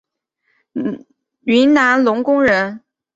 云南浪穹人。